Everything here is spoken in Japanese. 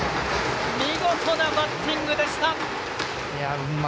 見事なバッティングでした。